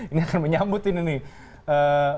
ini akan menyambut ini nih